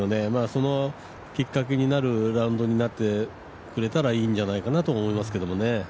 そのきっかけになるラウンドになってくれたらいいんじゃないかと思いますけどね。